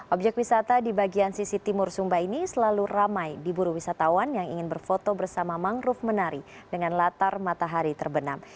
objek wisata di bagian sisi timur sumba ini selalu ramai di buru wisatawan yang ingin berfoto bersama mangrove menari dengan latar matahari terbenam